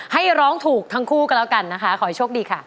ให้ร้องถูกทั้งคู่ก็แล้วกันนะคะขอให้โชคดีค่ะ